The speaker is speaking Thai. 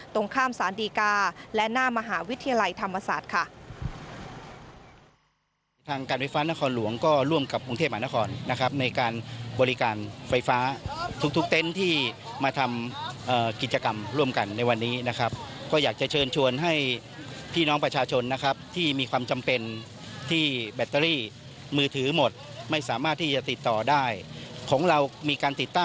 ตรงข้ามสารดีกาและหน้ามหาวิทยาลัยธรรมศาสตร์ค่ะ